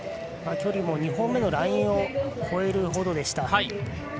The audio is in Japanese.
距離も、２本目のラインを越えるほどでした。